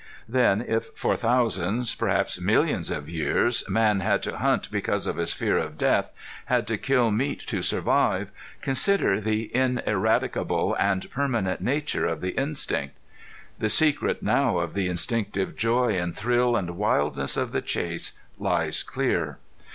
Then if for thousands, perhaps millions of years, man had to hunt because of his fear of death, had to kill meat to survive consider the ineradicable and permanent nature of the instinct. The secret now of the instinctive joy and thrill and wildness of the chase lies clear.